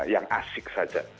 yang asik saja